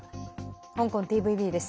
香港ＴＶＢです。